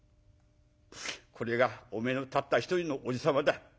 これがおめえのたった一人の伯父様だ。